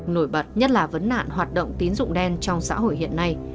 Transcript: nổi bật nhất là vấn nạn hoạt động tín dụng đen trong xã hội hiện nay